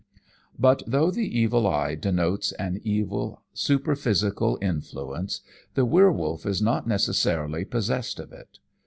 But though the evil eye denotes an evil superphysical influence, the werwolf is not necessarily possessed of it.